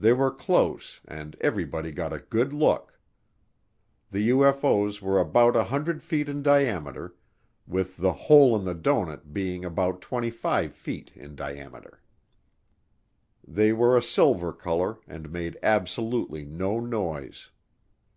They were close, and everybody got a good look. The UFO's were about 100 feet in diameter, with the "hole in the doughnut" being about 25 feet in diameter. They were a silver color and made absolutely no noise.